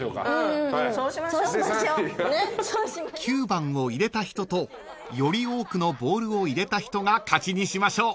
［９番を入れた人とより多くのボールを入れた人が勝ちにしましょう］